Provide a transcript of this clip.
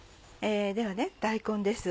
では大根です。